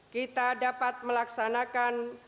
kita dapat melaksanakan